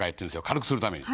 軽くするために。